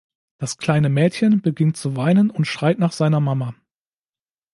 Das kleine Mädchen beginnt zu weinen und schreit nach seiner Mama.